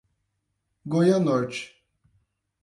Goianorte